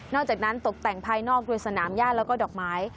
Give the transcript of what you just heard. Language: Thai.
อกจากนั้นตกแต่งภายนอกโดยสนามย่าแล้วก็ดอกไม้